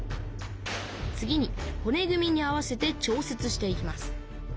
次にほね組みに合わせて調節していきます。